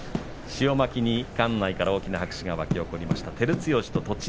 塩まきに館内から大きな拍手が起こりました。